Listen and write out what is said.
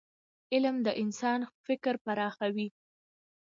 علم د انسان فکر پراخوي.